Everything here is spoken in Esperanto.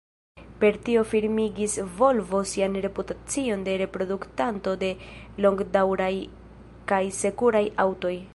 Per tio firmigis Volvo sian reputacion de produktanto de longdaŭraj kaj sekuraj aŭtoj.